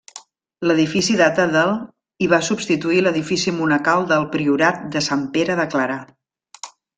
L'edifici data del i va substituir l'edifici monacal del priorat de Sant Pere de Clarà.